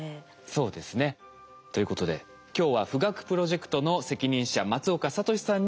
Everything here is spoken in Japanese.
そうですね。ということで今日は富岳プロジェクトの責任者松岡聡さんにお越し頂きました。